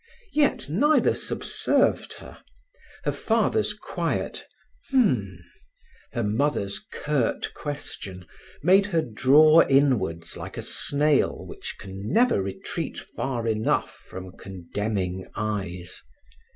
Yet neither subserved her. Her father's quiet "H'm!" her mother's curt question, made her draw inwards like a snail which can never retreat far enough from condemning eyes.